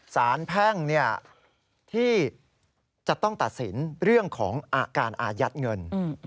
สารแพ่งที่จะต้องตัดสินเรื่องของอาการอายัดเงิน